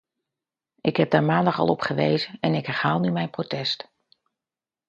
Ik heb daar maandag al op gewezen, en ik herhaal nu mijn protest.